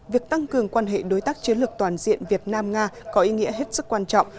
việc tăng cường quan hệ đối tác chiến lược toàn diện việt nam nga có ý nghĩa hết sức quan trọng